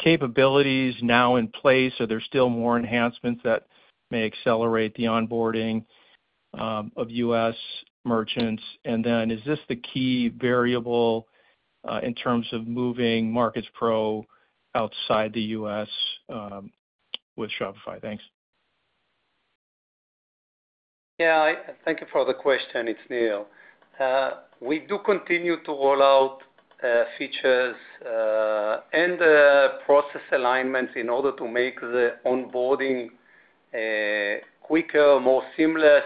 S16: capabilities now in place, or there's still more enhancements that may accelerate the onboarding of U.S. merchants? And then, is this the key variable in terms of moving MarketsPro outside the U.S. with Shopify? Thanks.
S6: Yeah, thank you for the question. It's Nir. We do continue to roll out features and process alignments in order to make the onboarding quicker, more seamless,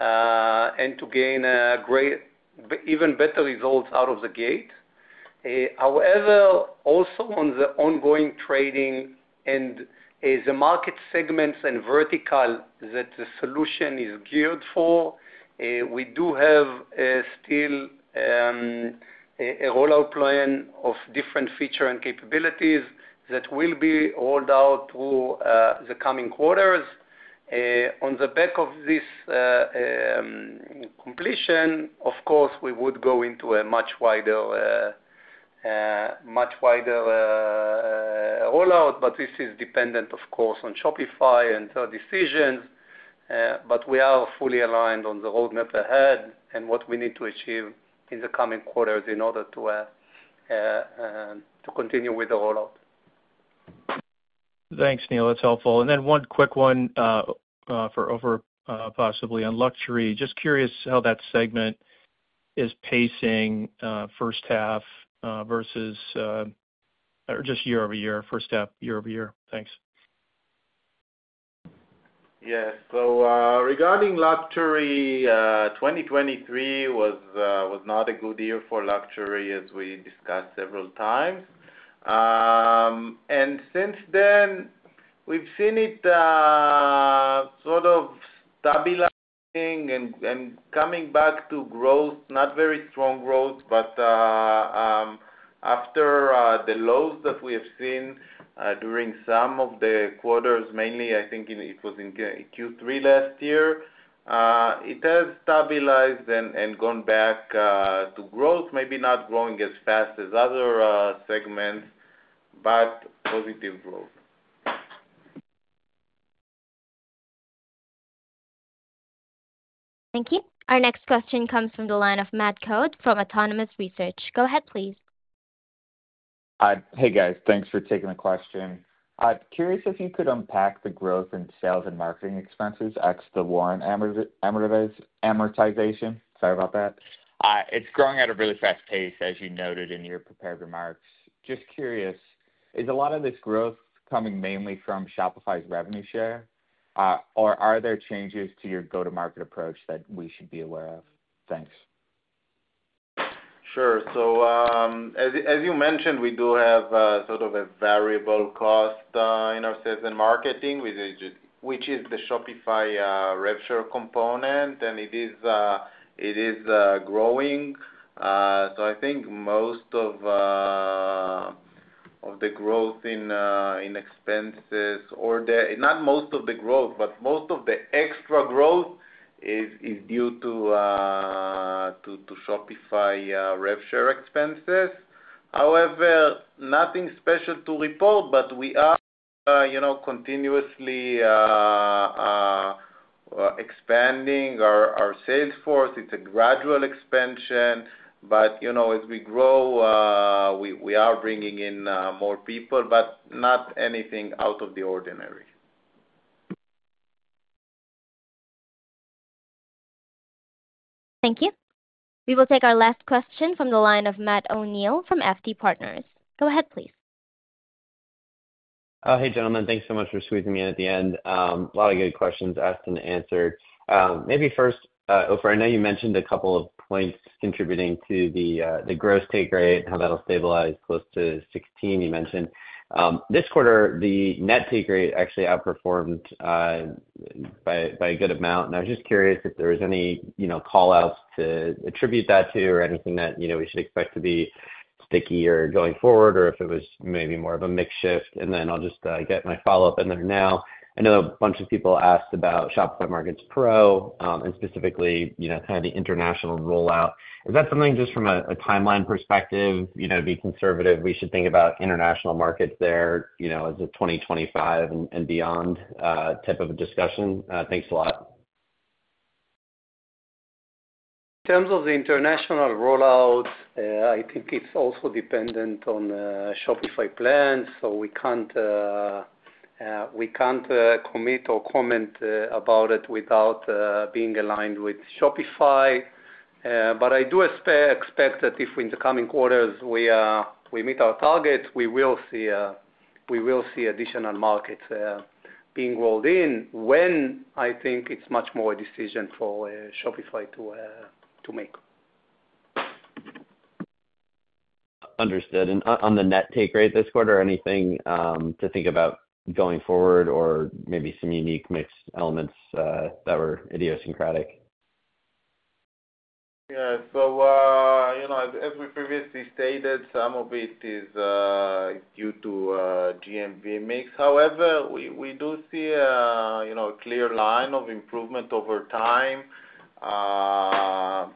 S6: and to gain great, even better results out of the gate. However, also on the ongoing trading and the market segments and vertical that the solution is geared for, we do have still a rollout plan of different feature and capabilities that will be rolled out through the coming quarters. On the back of this completion, of course, we would go into a much wider, much wider rollout, but this is dependent, of course, on Shopify and their decisions. But we are fully aligned on the roadmap ahead and what we need to achieve in the coming quarters in order to continue with the rollout.
S16: Thanks, Nir. That's helpful. And then one quick one for Ofer, possibly on luxury. Just curious how that segment is pacing, first half versus or just year-over-year, first half year-over-year. Thanks.
S4: Yes. So, regarding luxury, 2023 was not a good year for luxury, as we discussed several times. And since then, we've seen it sort of stabilizing and coming back to growth. Not very strong growth, but after the lows that we have seen during some of the quarters, mainly, I think it was in Q3 last year, it has stabilized and gone back to growth. Maybe not growing as fast as other segments, but positive growth.
S1: Thank you. Our next question comes from the line of Matt Coad from Autonomous Research. Go ahead, please.
S17: Hi. Hey, guys. Thanks for taking the question. I'm curious if you could unpack the growth in sales and marketing expenses ex the warrant amortization. Sorry about that. It's growing at a really fast pace, as you noted in your prepared remarks. Just curious, is a lot of this growth coming mainly from Shopify's revenue share, or are there changes to your go-to-market approach that we should be aware of? Thanks.
S4: Sure. So, as you mentioned, we do have sort of a variable cost in our sales and marketing, which is the Shopify rev share component, and it is growing. So I think most of the growth in expenses or the—not most of the growth, but most of the extra growth is due to Shopify rev share expenses. However, nothing special to report, but we are, you know, continuously expanding our sales force. It's a gradual expansion, but, you know, as we grow, we are bringing in more people, but not anything out of the ordinary.
S1: Thank you. We will take our last question from the line of Matt O'Neill from FT Partners. Go ahead, please.
S18: Hey, gentlemen. Thanks so much for squeezing me in at the end. A lot of good questions asked and answered. Maybe first, Ofer, I know you mentioned a couple of points contributing to the, the gross take rate, how that'll stabilize close to 16, you mentioned. This quarter, the net take rate actually outperformed by a good amount, and I was just curious if there was any, you know, call-outs to attribute that to or anything that, you know, we should expect to be stickier going forward, or if it was maybe more of a mix shift? And then I'll just get my follow-up in there now. I know a bunch of people asked about Shopify Markets Pro, and specifically, you know, kind of the international rollout. Is that something just from a timeline perspective, you know, to be conservative, we should think about international markets there, you know, as a 2025 and beyond type of a discussion? Thanks a lot.
S4: In terms of the international rollout, I think it's also dependent on Shopify plans, so we can't commit or comment about it without being aligned with Shopify. But I do expect that if in the coming quarters we meet our targets, we will see additional markets being rolled in. I think it's much more a decision for Shopify to make.
S18: Understood. And on the net take rate this quarter, anything to think about going forward or maybe some unique mix elements that were idiosyncratic?
S4: Yeah. So, you know, as we previously stated, some of it is due to GMV mix. However, we do see a, you know, clear line of improvement over time,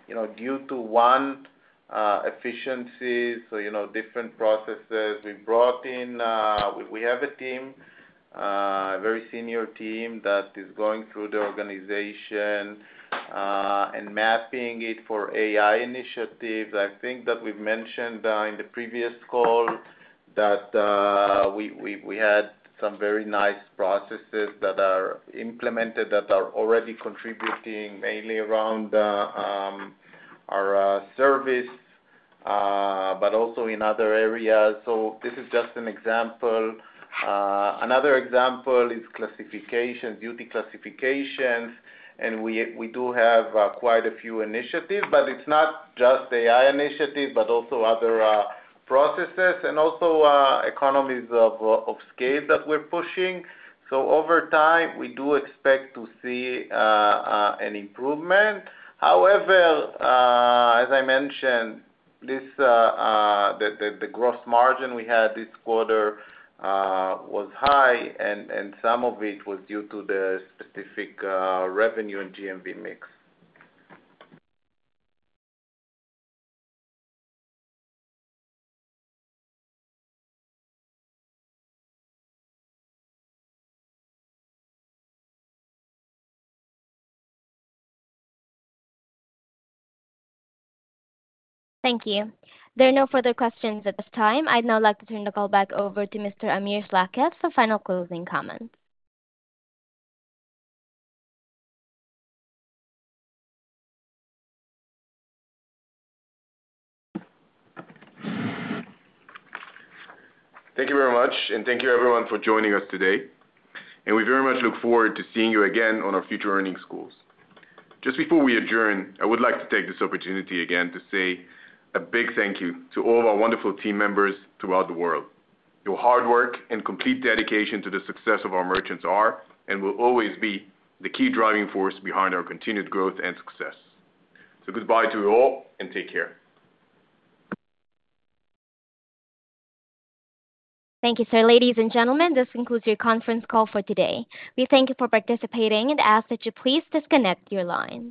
S4: you know, due to one, efficiency. So, you know, different processes. We have a team, a very senior team that is going through the organization and mapping it for AI initiatives. I think that we've mentioned in the previous call that we had some very nice processes that are implemented that are already contributing, mainly around our service, but also in other areas. So this is just an example. Another example is classification, duty classification, and we do have quite a few initiatives, but it's not just AI initiatives, but also other processes, and also economies of scale that we're pushing. So over time, we do expect to see an improvement. However, as I mentioned, this, the gross margin we had this quarter was high, and some of it was due to the specific revenue and GMV mix.
S1: Thank you. There are no further questions at this time. I'd now like to turn the call back over to Mr. Amir Schlachet for final closing comments.
S3: Thank you very much, and thank you everyone for joining us today, and we very much look forward to seeing you again on our future earnings calls. Just before we adjourn, I would like to take this opportunity again to say a big thank you to all of our wonderful team members throughout the world. Your hard work and complete dedication to the success of our merchants are, and will always be, the key driving force behind our continued growth and success. Goodbye to you all, and take care.
S1: Thank you. So, ladies and gentlemen, this concludes your conference call for today. We thank you for participating and ask that you please disconnect your line.